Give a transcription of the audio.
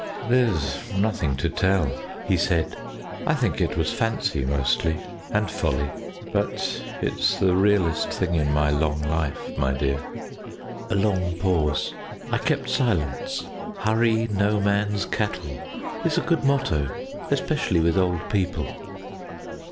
"There's nothing to tell," he said. "I think it was fancy, mostly, and folly; but it's the realest thing in my long life, my dear." A long pause. I kept silence. "Hurry no man's cattle" is a good motto, especially with old people.